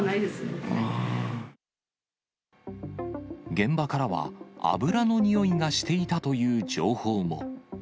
現場からは、油のにおいがしていたという情報も。